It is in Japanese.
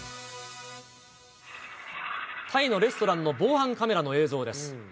タイのレストランの防犯カメラの映像です。